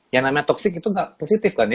yang namanya toxic itu nggak positif kan ya